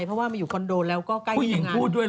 เพราะว่ามาอยู่คอนโดแล้วก็ใกล้ที่ทำงาน